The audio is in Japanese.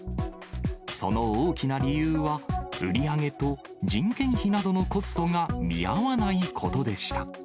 その大きな理由は、売り上げと人件費などのコストが見合わないことでした。